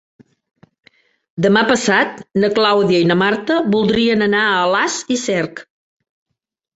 Demà passat na Clàudia i na Marta voldrien anar a Alàs i Cerc.